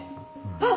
あっ！